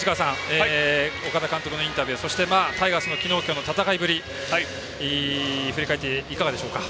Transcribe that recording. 岡田監督のインタビューそして、タイガースの昨日、今日の戦いぶり振り返って、いかがでしょうか？